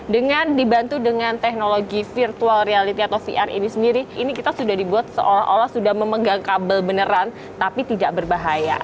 dengan dibantu dengan teknologi virtual reality atau vr ini sendiri ini kita sudah dibuat seolah olah sudah memegang kabel beneran tapi tidak berbahaya